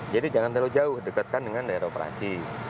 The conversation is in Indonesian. jadi jangan terlalu jauh dekatkan dengan daerah operasi